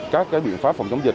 các cái biện pháp phòng chống dịch